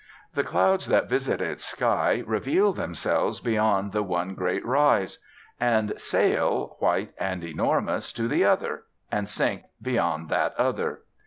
The clouds that visit its sky reveal themselves beyond the one great rise, and sail, white and enormous, to the other, and sink beyond that other.